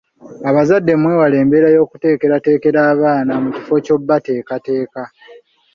Abazadde mwewale embeera y’okuteekerateekera abaana mu kifo ky’okubateekateeka.